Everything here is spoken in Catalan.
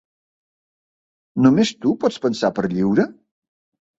Només tu pots pensar per lliure?